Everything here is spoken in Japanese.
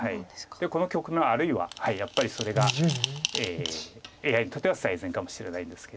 この局面あるいはやっぱりそれがＡＩにとっては最善かもしれないんですけれども。